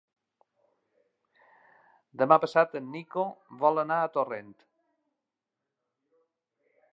Demà passat en Nico vol anar a Torrent.